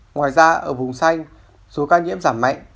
ngoài ra ở vùng xanh số ca nhiễm giảm mạnh